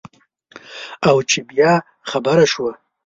او چې بیا خبره شوه.